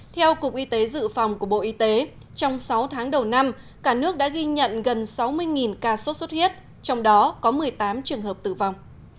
theo cục y tế dự phòng của bộ y tế trong sáu tháng đầu năm cả nước đã ghi nhận gần sáu mươi ca sốt xuất huyết trong đó có một mươi tám trường hợp tử vong